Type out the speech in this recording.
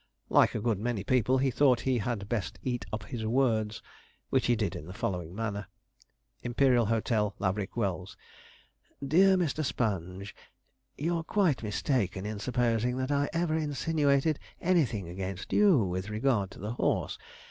Like a good many people, he thought he had best eat up his words, which he did in the following manner: 'IMPERIAL HOTEL, LAVERICK WELLS. 'DEAR MR. SPONGE, 'You are quite mistaken in supposing that I ever insinuated anything against you with regard to the horse.